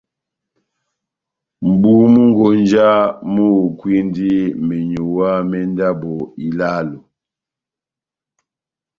mʼbúmwi-konja múhukwindi menyuwa mé ndabo ilálo.